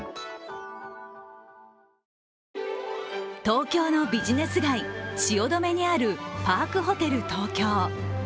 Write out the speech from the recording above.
東京のビジネス街・汐留にあるパークホテル東京。